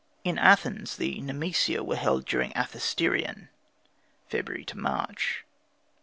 In Athens the Nemesia were held during Anthesterion (February March).